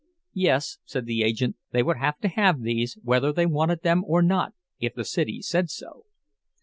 Yes, said the agent, they would have to have these, whether they wanted them or not, if the city said so.